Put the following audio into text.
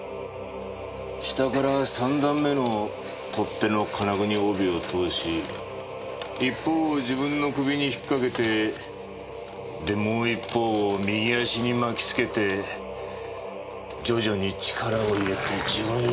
下から３段目の取っ手の金具に帯を通し一方を自分の首に引っ掛けてでもう一方を右足に巻きつけて徐々に力を入れて自分の首を絞め上げた。